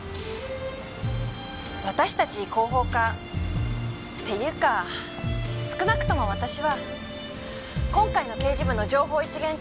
私たち広報課っていうか少なくとも私は今回の刑事部の情報一元化には反対なんです。